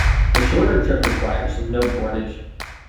The shorter trip requires no portage.